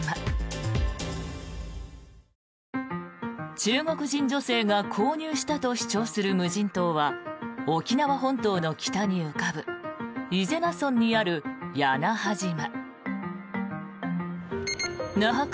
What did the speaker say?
中国人女性が購入したと主張する無人島は沖縄本島の北に浮かぶ伊是名村にある屋那覇島。